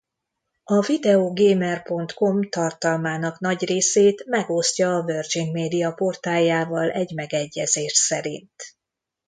A VideoGamer.com tartalmának nagy részét megosztja a Virgin Media portáljával egy megegyezés szerint.